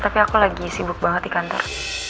tapi aku lagi sibuk banget di kantor